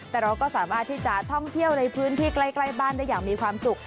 แต่เราก็สามารถที่จะท่องเที่ยวในพื้นที่ใกล้บ้านได้อย่างมีความสุข